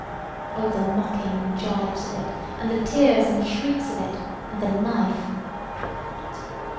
Oh, the mocking and gibes of It, and the tears and shrieks of It; and the knife! What!